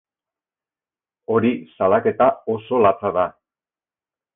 Hori salaketa oso latza da.